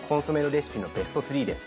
レシピのベスト３です。